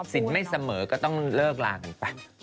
สินไม่เสมอก็ต้องเลิกลากันไป